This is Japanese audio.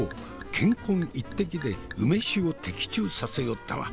乾坤一擲で梅酒を的中させよったわ。